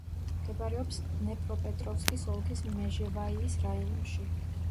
მდებარეობს დნეპროპეტროვსკის ოლქის მეჟევაიის რაიონში.